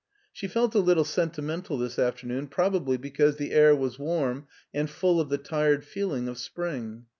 She felt a little sentimental this afternoon, probably because the air was warm and full of the tired feeling of spring.